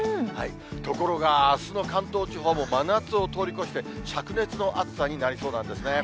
ところが、あすの関東地方も真夏を通り越して、しゃく熱の暑さになりそうなんですね。